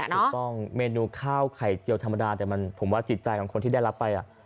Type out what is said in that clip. เมนูข้าวไข่เจียวธรรมดาแต่ผมว่าจิตใจของคนที่ได้รับไป